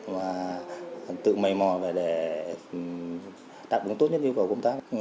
và tự mây mò để đạt đúng tốt nhất yêu cầu công tác